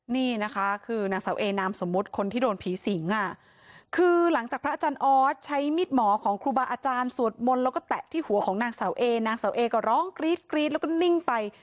นี่นะคะคือนางสาวเอนามสมมุติคนที่โดนผีสิงอ่ะคือหลังจากพระอาจารย์ออสใช้มีดหมอของครูบาอาจารย์สวดมนต์แล้วก็แตะที่หัวของนางเสาเอนางเสาเอก็ร้องกรี๊ดกรี๊ดแล้วก็นิ่งไป